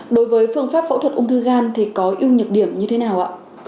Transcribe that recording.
đối với phương pháp phẫu thuật ung thư gan thì có yêu nhược điểm như thế nào ạ